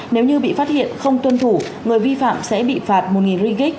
nếu như bị phát hiện không tuân thủ người vi phạm sẽ bị phạt một riggic